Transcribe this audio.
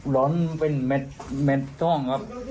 ร้อนเป็นเม็ดทองครับ